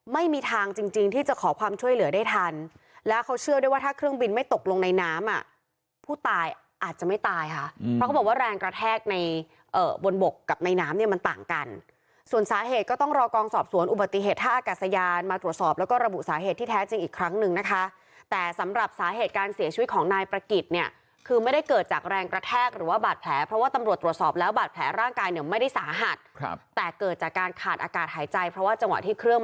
ไม่มีทางจริงจริงที่จะขอความช่วยเหลือได้ทันและเขาเชื่อได้ว่าถ้าเครื่องบินไม่ตกลงในน้ำอ่ะผู้ตายอาจจะไม่ตายค่ะเพราะเขาบอกว่าแรงกระแทกในเอ่อบนบกกับในน้ำเนี้ยมันต่างกันส่วนสาเหตุก็ต้องรอกองสอบสวนอุบัติเหตุถ้าอากาศยานมาตรวจสอบแล้วก็ระบุสาเหตุที่แท้จริงอีกครั้งหนึ่งนะคะแต่